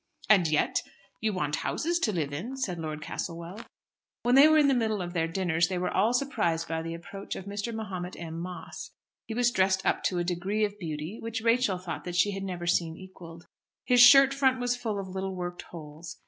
"And yet you want houses to live in," said Lord Castlewell. When they were in the middle of their dinners they were all surprised by the approach of Mr. Mahomet M. Moss. He was dressed up to a degree of beauty which Rachel thought that she had never seen equalled. His shirt front was full of little worked holes.